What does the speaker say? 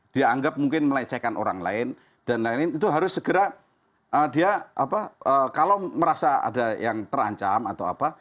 dia anggap mungkin melecehkan orang lain dan lain lain itu harus segera dia kalau merasa ada yang terancam atau apa